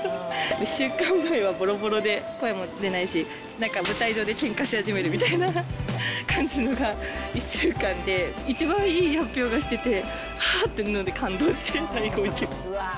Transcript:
１週間前はぼろぼろで、声も出ないしなんか、舞台上でけんかし始めるみたいな感じのが、１週間で一番いい発表をしてて、ああ！っていうので感動して、泣いて。